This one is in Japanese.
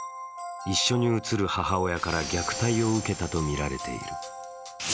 一緒に写る母親から虐待を受けたとみられている。